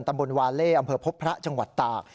ตำบลวาเล่อำเภอพบพระจังหวัดตาก